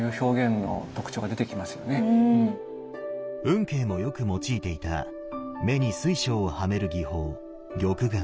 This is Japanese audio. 運慶もよく用いていた目に水晶をはめる技法「玉眼」。